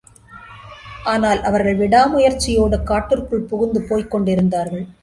ஆனால், அவர்கள் விடாமுயற்சியோடு காட்டிற்குள் புகுந்து போய்க்கொண்டிருந்தார்கள்.